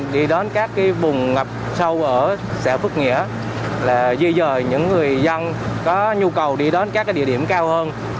đi đón các bùng ngập sâu ở xã phước nghĩa là duy dời những người dân có nhu cầu đi đón các địa điểm cao hơn